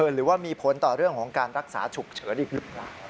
หรือว่ามีผลต่อเรื่องของการรักษาฉุกเฉินอีกหรือเปล่า